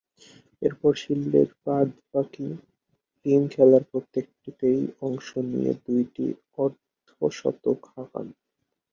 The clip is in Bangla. এরপর শিল্ডের বাদ-বাকী তিন খেলার প্রত্যেকটিতেই অংশ নিয়ে দুইটি অর্ধ-শতক হাঁকান।